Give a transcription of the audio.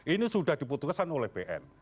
ini sudah diputuskan oleh bn